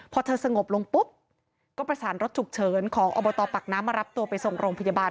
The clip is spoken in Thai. พอเธอสงบลงปุ๊บก็ประสานรถฉุกเฉินของอบตปากน้ำมารับตัวไปส่งโรงพยาบาล